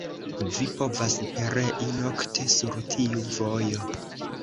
Vi povas perei nokte sur tiu vojo!